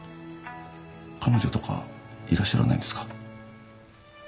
彼女とかいらっしゃらないんですか？